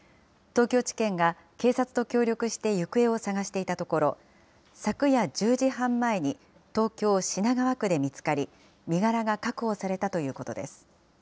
東京地検が警察と協力して行方を捜していたところ、昨夜１０時半前に、東京・品川区で見つかり、身柄が確保されたということです。